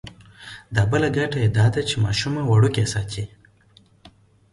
دا بله ګټه یې دا ده چې ماشومه وړوکې ساتي.